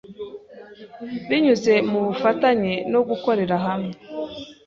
binyuze mu bufatanye no gukorera hamwe.